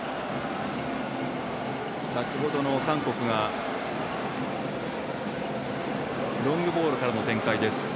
先ほどの韓国がロングボールからの展開です。